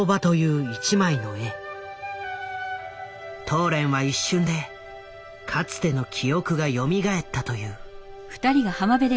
トーレンは一瞬でかつての記憶がよみがえったという。